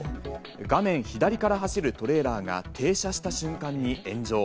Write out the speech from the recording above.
画面左から走るトレーラーが停車した瞬間に炎上。